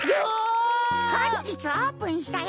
ほんじつオープンしたよ。